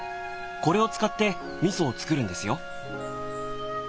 これを使って味噌を作るんですよ。